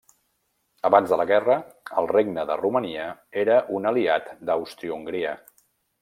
Abans de la guerra, el Regne de Romania era un aliat d'Àustria-Hongria.